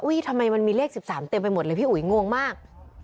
ทำไมมันมีเลข๑๓เต็มไปหมดเลยพี่อุ๋ยงงมาก